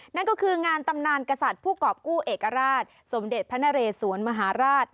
นั่นก็คืองานตำนานกษัตริย์ผู้กรอบกู้เอกราชสมเด็จพระนเรสวนมหาราช